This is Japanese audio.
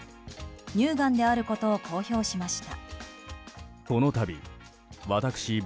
乳がんであることを公表しました。